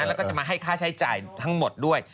แล้วก็จะมาให้ค่าใช้จ่ายทั้งหมดด้วย